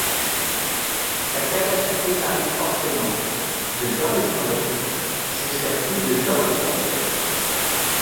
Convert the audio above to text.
Sa capacité varie fortement, de dans les fonderies, jusqu'à plus de dans les aciéries.